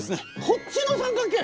こっちの三角形！